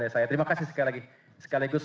saya terima kasih sekali lagi sekaligus